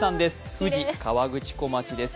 富士河口湖町です。